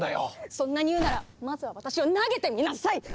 そんなに言うならまずは私を投げてみなさい！